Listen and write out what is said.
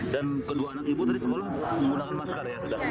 dan kedua anak ibu dari sekolah menggunakan masker ya sedangkan